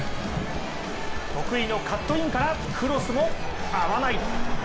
得意のカットインからクロスも合わない。